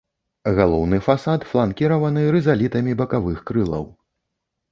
Галоўны фасад фланкіраваны рызалітамі бакавых крылаў.